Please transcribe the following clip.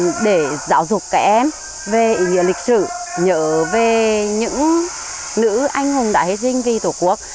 không những để giáo dục các em về nghĩa lịch sử nhớ về những nữ anh hùng đã hết sinh vì tổ quốc